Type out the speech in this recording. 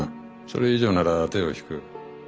それ以上なら手を引く。